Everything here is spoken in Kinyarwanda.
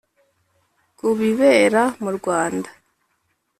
ku bibera mu rwanda!